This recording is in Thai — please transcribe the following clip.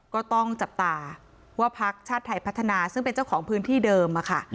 ก็ต้องจับตาว่าพักชาติไทยพัฒนาซึ่งเป็นเจ้าของพื้นที่เดิมค่ะ